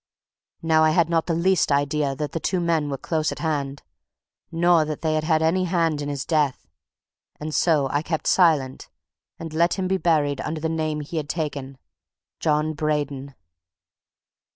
Now I had not the least idea that the two men were close at hand, nor that they had had any hand in his death, and so I kept silence, and let him be buried under the name he had taken John Braden."